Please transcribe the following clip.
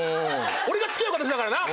俺が付き合う形だからな。